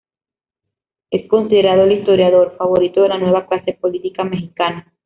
Es considerado "el 'historiador' favorito de la nueva clase política" mexicana.